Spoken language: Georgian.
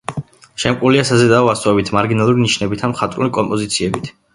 შემკულია საზედაო ასოებით, მარგინალური ნიშნებითა და მხატვრული კომპოზიციებით.